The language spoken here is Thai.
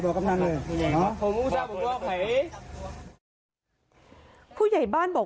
ครับ